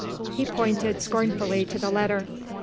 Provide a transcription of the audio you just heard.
He pointed scornfully to the letter.